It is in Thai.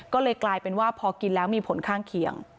ก็เลยกลายเป็นว่าพอกินแล้วมีผลข้างเคียง